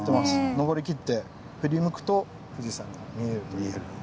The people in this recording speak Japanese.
上りきって振り向くと富士山が見えるという。